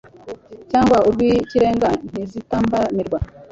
cyangwa urw ikirenga ntizitambamirwa